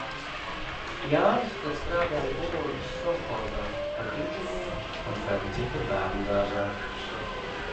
Jānis tad strādāja Umurgas sovhozā par inženieri un Felicita bērnu dārzā.